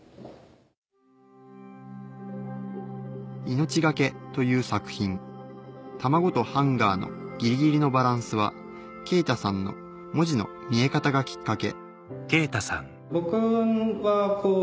「命がけ」という作品卵とハンガーのギリギリのバランスは勁太さんの文字の見え方がきっかけ